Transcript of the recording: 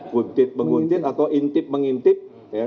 guntit menguntit atau intip mengintip